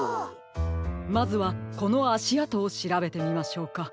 まずはこのあしあとをしらべてみましょうか。